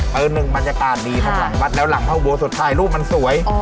เปิ้ลหนึ่งบรรยากาศดีทั้งหลังบัตรแล้วหลังพระอุโบสถ์ไทยรูปมันสวย